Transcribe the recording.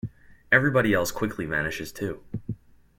Everybody else quickly vanishes too.